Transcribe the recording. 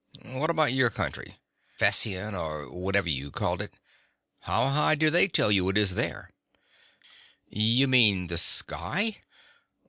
"What about your county: Fession, or whatever you called it. How high do they tell you it is there?" "You mean the sky?